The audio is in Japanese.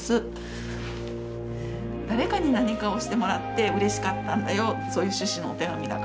誰かに何かをしてもらってうれしかったんだよそういう趣旨のお手紙だから。